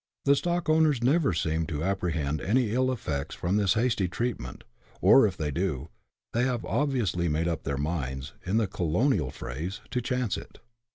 The stock owners never seem to apprehend any ill effects from this hasty treatment, or, if they do, they have obviously made up their minds, in the colonial phrase, to "chance it."